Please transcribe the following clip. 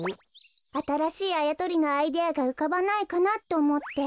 あたらしいあやとりのアイデアがうかばないかなっておもって。